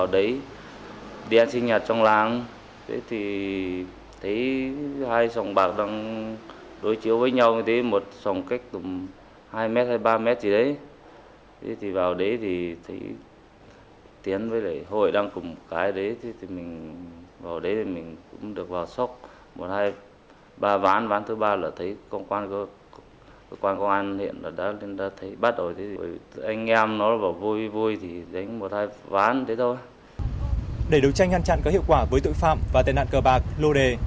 để đấu tranh hăn chặn có hiệu quả với tội phạm và tệ nạn cờ bạc lô đề